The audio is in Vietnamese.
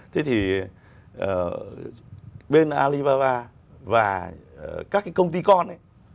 thế thì bên alibaba và các cái công ty con ấy